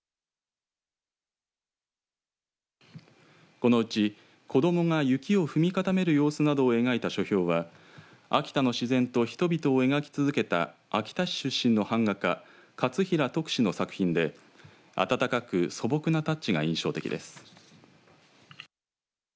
このうち子どもが雪を踏み固める様子などを描いた書票は秋田の自然と人々を描き続けた秋田市出身の版画家勝平得之の作品で温かく素朴なタッチが印象的です。